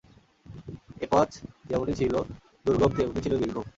এ পথ যেমনি ছিল দুর্গম তেমনি ছিল দীর্ঘও।